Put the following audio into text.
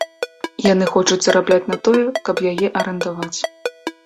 Яны хочуць зарабляць на тое, каб яе арандаваць.